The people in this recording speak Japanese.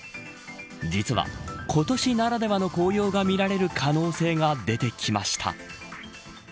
実は、今年ならではの紅葉が見られる可能性が出てきました。